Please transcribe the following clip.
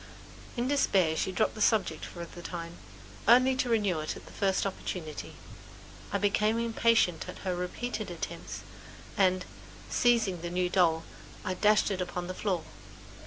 In despair she had dropped the subject for the time, only to renew it at the first opportunity. I became impatient at her repeated attempts and, seizing the new doll, I dashed it upon the floor.